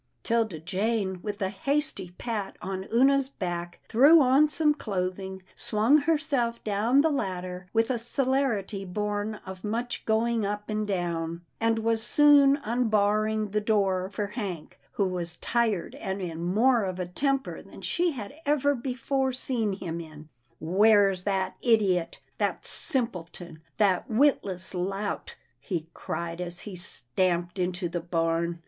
'Tilda Jane, with a hasty pat on Oonah's back, threw on some clothing, swung herself down the ladder with a celerity born of much going up and down, and was soon unbarring the door for Hank, who was tired and in more of a temper than she had ever before seen him in. " Where's that idiot — that simpleton — that witless lout ?" he cried, as he stamped into the barn.